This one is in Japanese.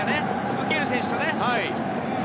受ける選手とね。